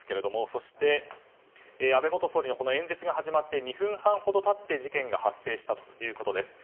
そして安倍元総理の演説が始まって２分半ほど経って事件が発生したということです。